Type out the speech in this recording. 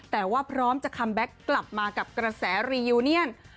แต่ว่าพร้อมจะคัมแบ็คกลับมากับกระแสรียูเนียน